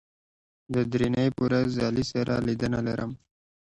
د درېنۍ په ورځ علي سره لیدنه لرم